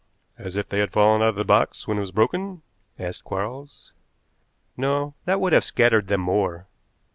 "As if they had fallen out of the box when it was broken?" asked Quarles. "No, that would have scattered them more.